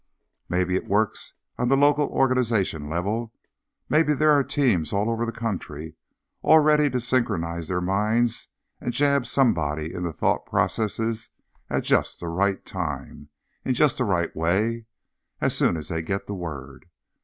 _ _Maybe it works on the local organization level. Maybe there are teams all over the country, all ready to synchronize their minds and jab somebody in the thought processes at just the right time, in just the right way, as soon as they get the word.